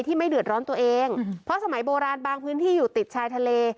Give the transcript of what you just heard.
ไม่เดือดร้อนตัวเองเพราะสมัยโบราณบางพื้นที่อยู่ติดชายทะเล